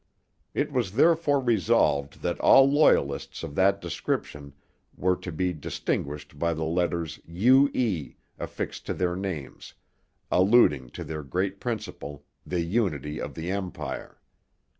It was therefore resolved that all Loyalists of that description were 'to be distinguished by the letters U. E. affixed to their names, alluding to their great principle, the unity of the empire.'